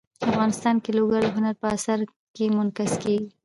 افغانستان کې لوگر د هنر په اثار کې منعکس کېږي.